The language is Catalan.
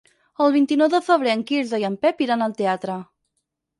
El vint-i-nou de febrer en Quirze i en Pep iran al teatre.